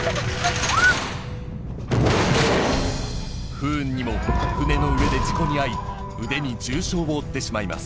不運にも船の上で事故に遭い腕に重傷を負ってしまいます